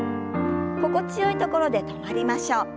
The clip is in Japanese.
心地よいところで止まりましょう。